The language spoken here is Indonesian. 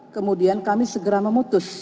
kemudian kami segera memutus